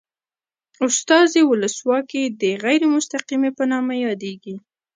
استازي ولسواکي د غیر مستقیمې په نامه یادیږي.